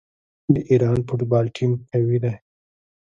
د ایران فوټبال ټیم قوي دی.